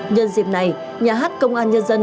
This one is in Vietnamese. nhân dịp này nhà hát công an nhân dân